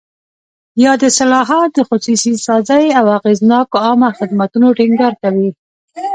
یاد اصلاحات د خصوصي سازۍ او اغېزناکو عامه خدمتونو ټینګار کوي.